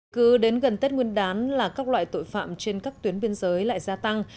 cứ đến gần tết nguyên đán là các loại tội phạm trên các tuyến biên giới lại gia tăng